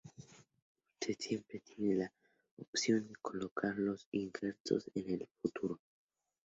Usted siempre tiene la opción de colocar los injertos en el futuro.